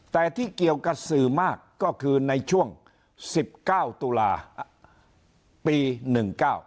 แต่ที่เกี่ยวกับสื่อมากก็คือในช่วงสิบเก้าตุลาปีหนึ่งเก้า